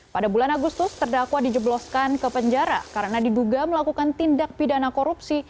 pada bulan agustus terdakwa dijebloskan ke penjara karena diduga melakukan tindak pidana korupsi